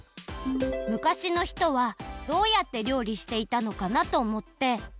「昔の人はどうやって料理していたのかな？」とおもって。